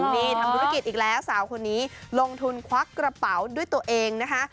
นี่ทำธุรกิจอีกแล้วสาวคนนี้ลงทุนควักกระเป๋าด้วยตัวเองนะคะ